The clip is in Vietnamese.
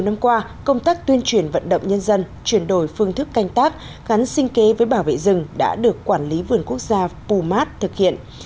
hôm qua công tác tuyên truyền vận động nhân dân chuyển đổi phương thức canh tác gắn sinh kế với bảo vệ rừng đã được quản lý vườn quốc gia pumat thực hiện